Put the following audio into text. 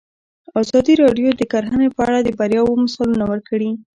ازادي راډیو د کرهنه په اړه د بریاوو مثالونه ورکړي.